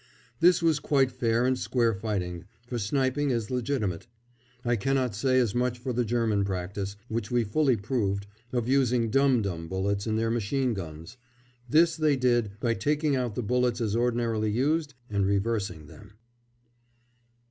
This was quite fair and square fighting, for sniping is legitimate. I cannot say as much for the German practice, which we fully proved, of using dum dum bullets in their machine guns. This they did by taking out the bullets as ordinarily used and reversing them.